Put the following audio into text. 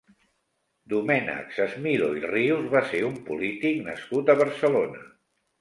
Domènec Sesmilo i Rius va ser un polític nascut a Barcelona.